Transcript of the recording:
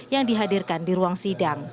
yang dihadirkan di ruang tahanan polda jawa timur